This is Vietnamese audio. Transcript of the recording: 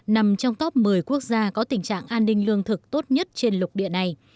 nằm trong top một mươi quốc gia có tình trạng an ninh lương thực tốt nhất trên lục địa này